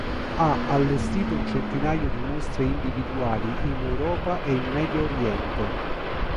Ha allestito un centinaio di mostre individuali in Europa e in Medio Oriente.